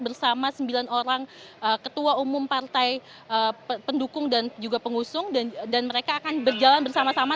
bersama sembilan orang ketua umum partai pendukung dan juga pengusung dan mereka akan berjalan bersama sama